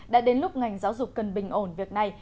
đã đến lúc ngành giáo dục cần bình ổn việc này